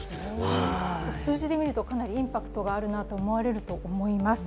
数字で見るとかなりインパクトがあるなと思われると思います。